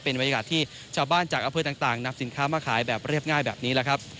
เป็นบรรยากาศที่ชาวบ้านจากอำเภอต่างนำสินค้ามาขายแบบเรียบง่ายแบบนี้แหละครับ